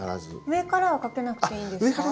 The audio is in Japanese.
上からはかけなくていいんですか？